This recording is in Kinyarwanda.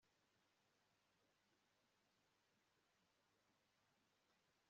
yahise ajya aho Linda yarari maze asanga Linda ahumeka insiga sigane